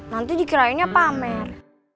nanti dikirainnya pamer